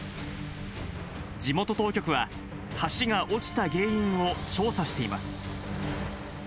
地元当局は、橋が落ちた原因を調査しています。